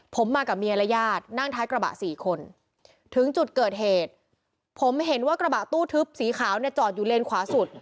ผมมากับเมียและญาตินั่งท้ายกระบะสี่คนถึงจุดเกิดเหตุผมเห็นว่ากระบะตู้ทึบสีขาวเนี่ยจอดอยู่เลนขวาสุด